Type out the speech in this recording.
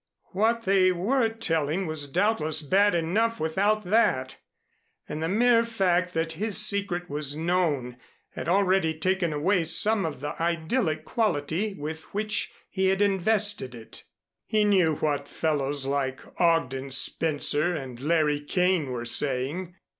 What they were telling was doubtless bad enough without that, and the mere fact that his secret was known had already taken away some of the idyllic quality with which he had invested it. He knew what fellows like Ogden Spencer and Larry Kane were saying.